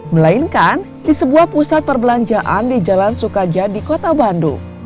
melainkan di sebuah pusat perbelanjaan di jalan sukaja di kota bandung